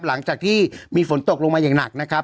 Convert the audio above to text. หลังจากที่มีฝนตกลงมาอย่างหนักนะครับ